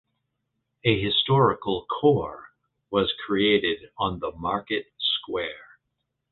A historical core was created on the market square.